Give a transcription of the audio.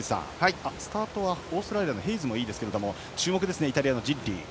スタートはオーストラリアのヘイズもいいですが注目ですね、イタリアのジッリ。